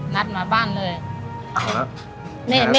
นัดมาบ้านเลย